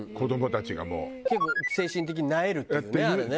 結構精神的になえるっていうよねあれね。